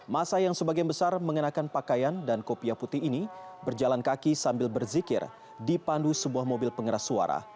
masa yang sebagian besar mengenakan pakaian dan kopiah putih ini berjalan kaki sambil berzikir dipandu sebuah mobil pengeras suara